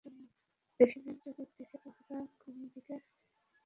দেখিলেন চতুর্দিকে পাহারা, কোনো দিকে ছিদ্র নাই।